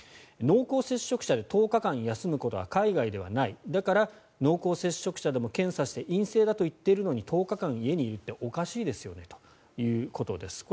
濃厚接触者で１０日間休むことは海外ではないだから濃厚接触者でも検査して陰性だといっているのに１０日間家にいるっておかしいですよねということです。